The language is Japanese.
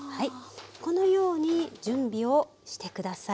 このように準備をして下さい。